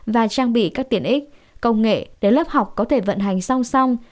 và trang bị các tiện ích công nghệ để lớp học có thể vận hành song song